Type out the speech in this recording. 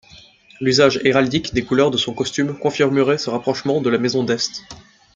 L'usage héraldique des couleurs de son costume confirmerait ce rapprochement de la maison d'Este.